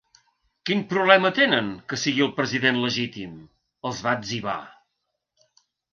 Quin problema tenen que sigui el president legítim?, els va etzibar.